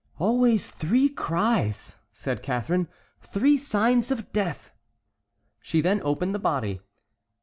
"Always three cries!" said Catharine; "three signs of death." She then opened the body.